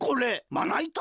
まないた？